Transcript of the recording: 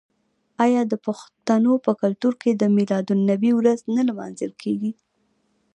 آیا د پښتنو په کلتور کې د میلاد النبي ورځ نه لمانځل کیږي؟